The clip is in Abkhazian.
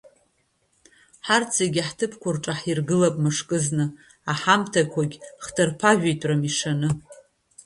Ҳарҭзегьы ҳҭыԥқәа рҿы ҳиргылап мышкызны, аҳамҭақәагь хҭырԥажәитәрым ишаны…